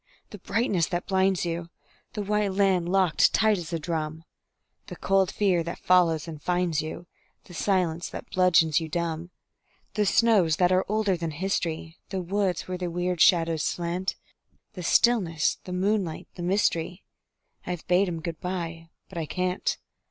the brightness that blinds you, The white land locked tight as a drum, The cold fear that follows and finds you, The silence that bludgeons you dumb. The snows that are older than history, The woods where the weird shadows slant; The stillness, the moonlight, the mystery, I've bade 'em good by but I can't.